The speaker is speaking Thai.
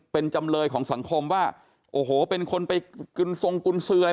เป็นจำเลยของสังคมว่าโอ้โหเป็นคนไปกินทรงกุญสืออะไร